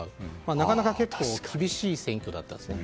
なかなか結構厳しい選挙だったんですね。